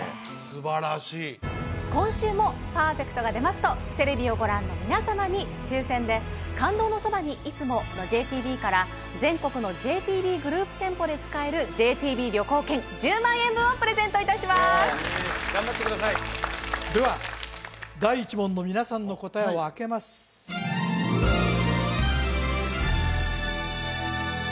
すばらしい今週もパーフェクトが出ますとテレビをご覧の皆様に抽選で「感動のそばに、いつも。」のＪＴＢから全国のＪＴＢグループ店舗で使えるＪＴＢ旅行券１０万円分をプレゼントいたします頑張ってくださいでは第１問の皆さんの答えをあけますさあ